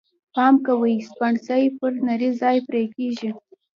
پام کوئ! سپڼسی پر نري ځای پرې کېږي.